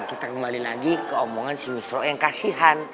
kita kembali lagi ke omongan si misro yang kasihan